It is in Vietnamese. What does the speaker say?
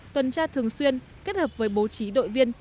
tuần tra thường xuyên kết hợp với bố trí đội viên